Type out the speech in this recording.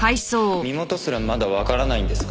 身元すらまだわからないんですか？